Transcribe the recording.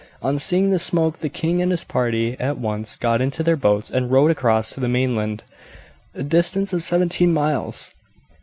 On seeing the smoke the king and his party at once got into their boats and rowed across to the mainland, a distance of seventeen miles.